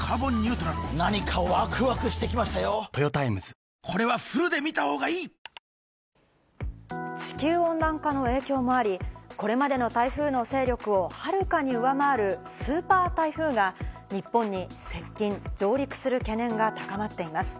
悲願の金メダルへ、大会最終日のあす、前回王者、地球温暖化の影響もあり、これまでの台風の勢力をはるかに上回るスーパー台風が、日本に接近、上陸する懸念が高まっています。